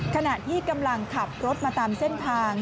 ขณะที่กำลังขับรถมาตามเส้นทาง